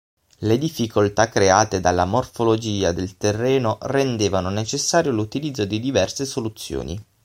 Le difficoltà create dalla morfologia del terreno rendevano necessario l'utilizzo di diverse soluzioni.